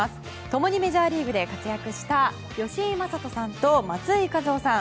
共にメジャーリーグで活躍した吉井理人さんと松井稼頭央さん。